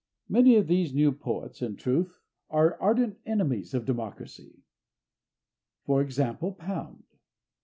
Many of the new poets, in truth, are ardent enemies of democracy, for example, Pound.